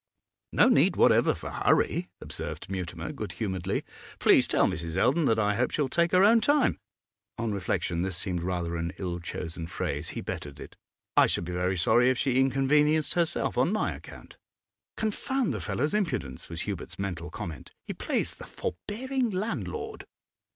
'No need whatever for hurry,' observed Mutimer, good humouredly. 'Please tell Mrs. Eldon that I hope she will take her own time.' On reflection this seemed rather an ill chosen phrase; he bettered it. 'I should be very sorry if she inconvenienced herself on my account.' 'Confound the fellow's impudence!' was Hubert's mental comment. 'He plays the forbearing landlord.